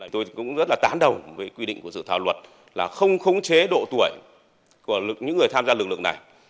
tôi cũng rất là tán đầu với quy định của dự thảo luật là không khống chế độ tuổi của những người tham gia lực lượng này